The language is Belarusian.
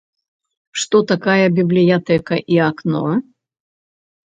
Што такая бібліятэка і акно?